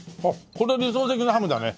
これ理想的なハムだね。